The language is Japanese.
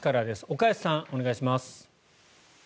岡安さん、お願いします。